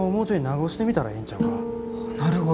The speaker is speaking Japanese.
なるほど。